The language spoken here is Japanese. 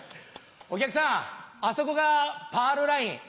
お客さんあそこがパールライン。